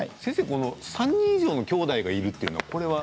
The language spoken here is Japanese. この「３人以上のきょうだいがいる」っていうのはこれは。